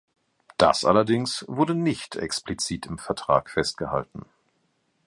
Das allerdings wurde nicht explizit im Vertrag festgehalten.